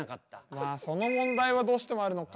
まあその問題はどうしてもあるのか。